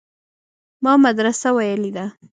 ما مدرسه ويلې ده.